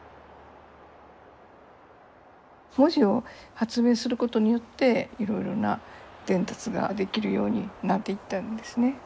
文字を発明することによっていろいろな伝達ができるようになっていったんですね。